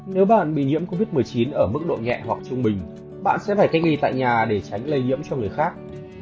nếu bạn bị nhiễm covid một mươi chín ở mức độ nhẹ hoặc trung bình bạn sẽ phải cách ly tại nhà để tránh lây nhiễm cho người khác